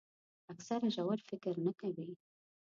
اکثره ژور فکر نه کوي.